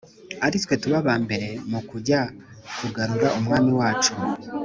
ari twe tuba aba mbere mu kujya kugarura umwami wacu